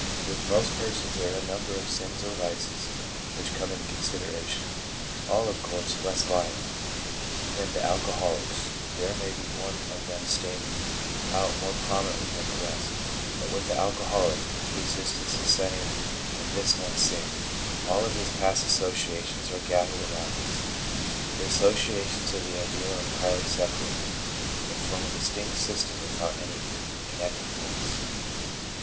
With most persons there are a number of sins or vices which come into consideration, all of course less violent than the alcoholic's, and there may be one of them standing out more prominently than the rest, but with the alcoholic his resistance is centred in this one sin. 1 All of his past associations are gathered around this ; the associations of the ideal are entirely separated, and form a distinct system without any connecting links.